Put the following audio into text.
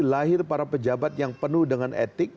lahir para pejabat yang penuh dengan etik